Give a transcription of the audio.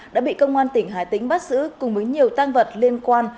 đã bị công an tỉnh hà tĩnh bắt giữ cùng với nhiều tăng vật liên quan